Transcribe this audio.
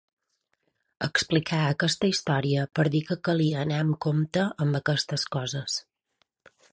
Explicà aquesta història per dir que calia anar amb compte amb aquestes coses.